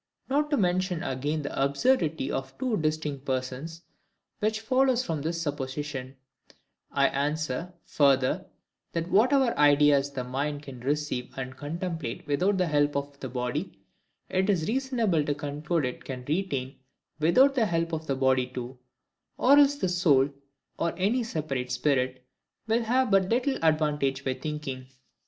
Not to mention again the absurdity of two distinct persons, which follows from this supposition, I answer, further,—That whatever ideas the mind can receive and contemplate without the help of the body, it is reasonable to conclude it can retain without the help of the body too; or else the soul, or any separate spirit, will have but little advantage by thinking.